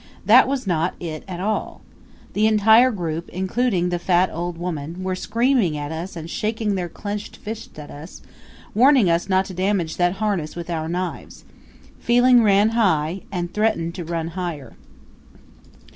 That was not it at all. The entire group, including the fat old woman, were screaming at us and shaking their clenched fists at us, warning us not to damage that harness with our knives. Feeling ran high, and threatened to run higher.